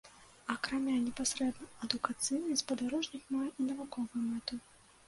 Акрамя непасрэдна адукацыйнай, спадарожнік мае і навуковую мэту.